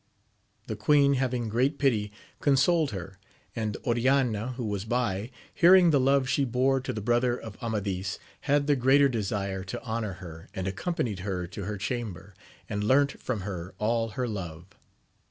The queen having great pity, consoled her, and Oriana, who was by, hearing the love she bore to the brother of Amadis, had the greater desire to honour her, and accompanied her to her chamber, and learnt from her all her love.